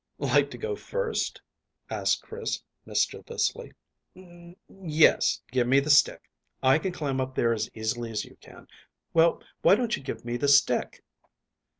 "Like to go first?" asked Chris mischievously. "N yes, give me the stick. I can climb up there as easily as you can. Well, why don't you give me the stick?"